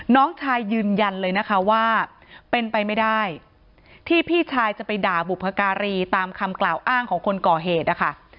น้องชายยืนยันเลยนะคะว่าเป็นไปไม่ได้ที่พี่ชายจะไปด่าบุพการีตามคำกล่าวอ้างของคนก่อเหตุนะคะ